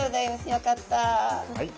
よかった。